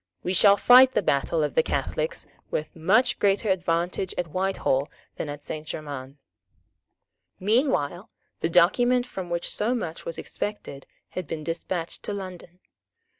We shall fight the battle of the Catholics with much greater advantage at Whitehall than at Saint Germains." Meanwhile the document from which so much was expected had been despatched to London.